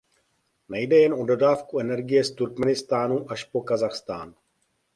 Nejde jen o dodávky energie z Turkmenistánu až po Kazachstán.